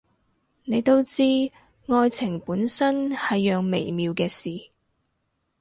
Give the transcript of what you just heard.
你都知，愛情本身係樣微妙嘅事